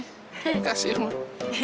terima kasih emang